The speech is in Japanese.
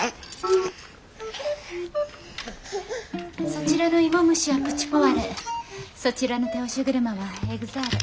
そちらのイモムシはプチポワレそちらの手押し車はエグザーレ。